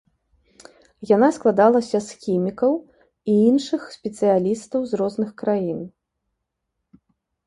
Яна складалася з хімікаў і іншых спецыялістаў з розных краін.